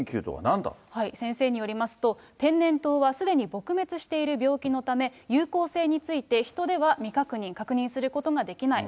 先生によりますと、天然痘はすでに撲滅している病気のため有効性についてヒトでは未確認、確認することができない。